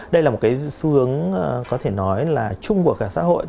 đây là một cái xu hướng có thể nói là chung của cả xã hội